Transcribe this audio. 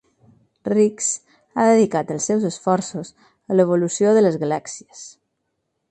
Rix ha dedicat els seus esforços a l'evolució de les galàxies.